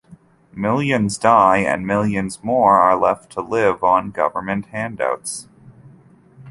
Millions die and millions more are left to live on government handouts.